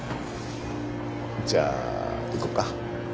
じゃあ行こうか。